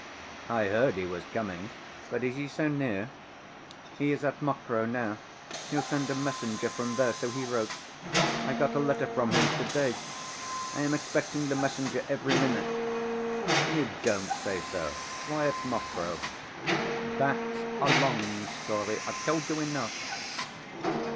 "I heard he was coming, but is he so near?" "He is at Mokroe now; he'll send a messenger from there, so he wrote; I got a letter from him to‐day. I am expecting the messenger every minute." "You don't say so! Why at Mokroe?" "That's a long story, I've told you enough."